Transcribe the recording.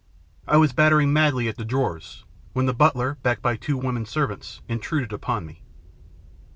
I was battering madly at the drawers, when the butler, backed by two women servants, intruded upon me.